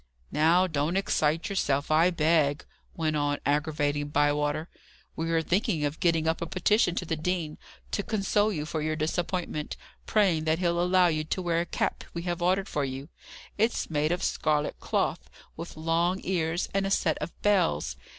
"Now, don't excite yourself, I beg," went on aggravating Bywater. "We are thinking of getting up a petition to the dean, to console you for your disappointment, praying that he'll allow you to wear a cap we have ordered for you! It's made of scarlet cloth, with long ears and a set of bells!